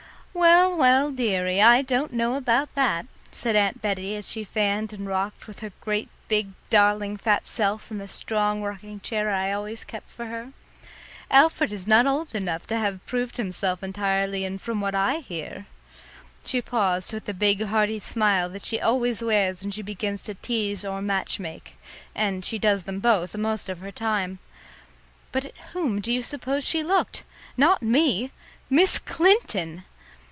"Well, well, dearie, I don't know about that," said Aunt Bettie as she fanned and rocked her great, big, darling, fat self in the strong rocking chair I always kept for her. "Alfred is not old enough to have proved himself entirely, and from what I hear " she paused with the big hearty smile that she always wears when she begins to tease or match make, and she does them both most of her time. But at whom do you suppose she looked? Not me! Miss Clinton!